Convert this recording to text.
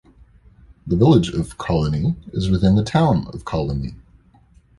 The village of Colonie is within the town of Colonie.